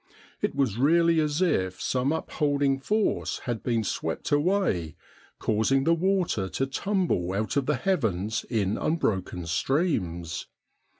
It was really as if some upholding force had been swept away, causing the water to tumble out of the heavens in unbroken streams.